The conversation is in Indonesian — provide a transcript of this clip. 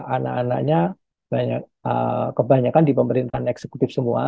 anak anaknya kebanyakan di pemerintahan eksekutif semua